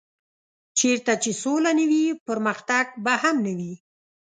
چېرته چې سوله نه وي پرمختګ به هم نه وي.